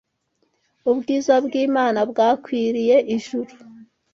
Ubwiza bw’Imana «bwakwiriye ijuru